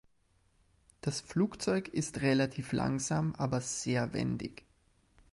Das Flugzeug ist relativ langsam, aber sehr wendig.